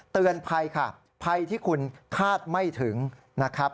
เตือนภัยค่ะภัยที่คุณคาดไม่ถึงนะครับ